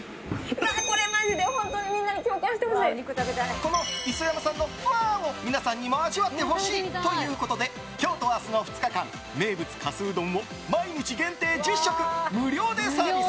この磯山さんのファーを皆さんにも味わってほしい！ということで今日と明日の２日間名物かすうどんを毎日限定１０食無料でサービス。